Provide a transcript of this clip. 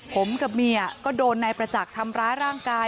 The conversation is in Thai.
ผมกับเมียก็โดนนายประจักษ์ทำร้ายร่างกาย